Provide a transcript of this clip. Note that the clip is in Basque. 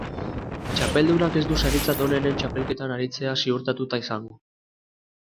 Txapeldunak ez du saritzat onenen txapelketan aritzea zihurtatuta izango.